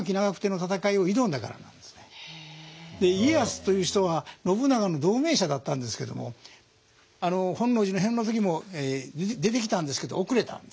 家康という人は信長の同盟者だったんですけども本能寺の変の時も出てきたんですけど遅れたんですね。